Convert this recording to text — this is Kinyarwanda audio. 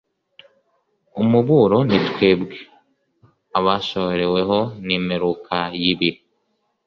umuburo ni twebwe abasohoreweho n’imperuka y’ibihe